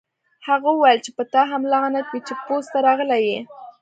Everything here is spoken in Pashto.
هغه وویل چې په تا هم لعنت وي چې پوځ ته راغلی یې